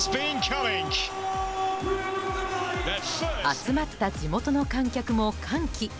集まった地元の観客も歓喜。